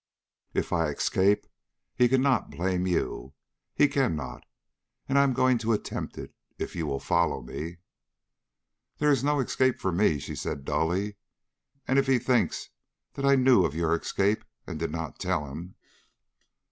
If I escape he cannot blame you. He cannot! And I am going to attempt it. If you will follow me...." "There is no escape for me," she said dully, "and if he thinks that I knew of your escape and did not tell him...."